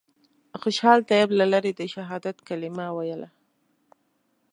خوشحال طیب له لرې د شهادت کلمه ویله.